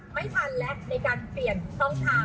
ไม่ทันแล้วในการเปลี่ยนช่องทาง